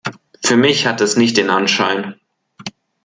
Für mich hat es nicht den Anschein!